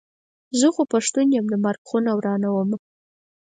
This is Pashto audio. زه خو پښتون یم د مرک خونه ورانومه.